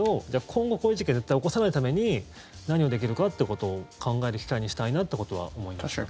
今後、こういう事件絶対起こさないために何をできるかなってことを考える機会にしたいなってことは思いました。